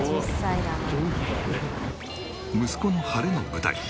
息子の晴れの舞台。